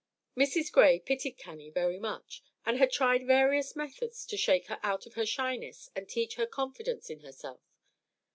Mrs. Gray pitied Cannie very much, and had tried various methods to shake her out of her shyness and teach her confidence in herself.